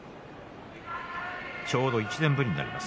ちょうど１年ぶりになります